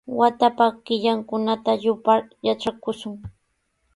Watapa killankunata yupar yatrakushun.